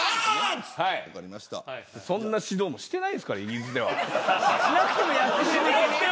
そんな指導もしてないですからイギリスでは。